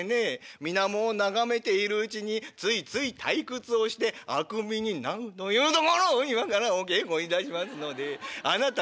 水面を眺めているうちについつい退屈をしてあくびになんというところを今からお稽古いたしますのであなた